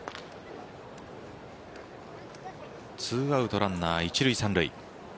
ツーアウトランナー、１塁３塁。